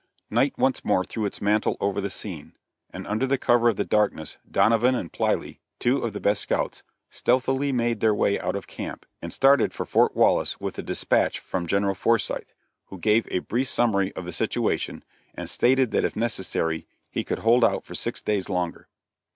Night once more threw its mantle over the scene, and under the cover of the darkness Donovan and Plyley, two of the best scouts, stealthily made their way out of the camp, and started for Fort Wallace with a dispatch from General Forsyth, who gave a brief summary of the situation, and stated that if necessary he could hold out for six days longer.